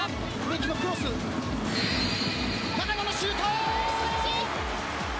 長野のシュート。